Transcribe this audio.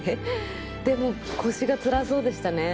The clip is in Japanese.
でも腰がつらそうでしたね